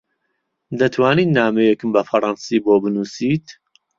دەتوانیت نامەیەکم بە فەڕەنسی بۆ بنووسیت؟